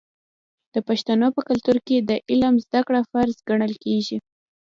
د پښتنو په کلتور کې د علم زده کړه فرض ګڼل کیږي.